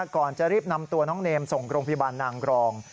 ก่อนจะรีบนำตัวน้องเนมส่งโรงพยาบาลนางกรอง